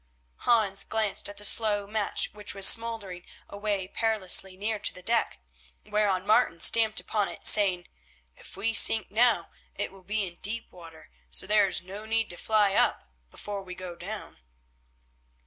Hans glanced at the slow match which was smouldering away perilously near to the deck, whereon Martin stamped upon it, saying: "If we sink now it will be in deep water, so there is no need to fly up before we go down."